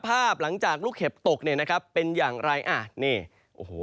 ภาพหลังจากลูกเห็บตกเนี่ยนะครับเป็นอย่างไรอ่ะนี่โอ้โห